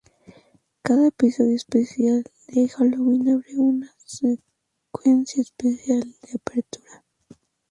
Cada episodio especial de Halloween abre con una secuencia especial de apertura.